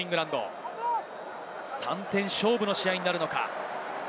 ３点勝負の試合になるのか。